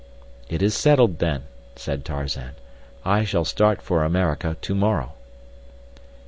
"It is settled then," said Tarzan. "I shall start for America to morrow."